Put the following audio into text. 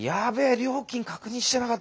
料金確認してなかったわ。